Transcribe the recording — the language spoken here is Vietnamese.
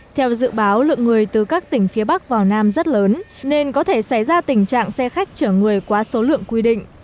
theo dự báo lượng người từ các tỉnh phía bắc vào nam rất lớn nên có thể xảy ra tình trạng xe khách chở người quá số lượng quy định